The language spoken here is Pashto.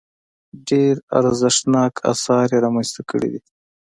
ډېر ارزښتناک اثار یې رامنځته کړي دي.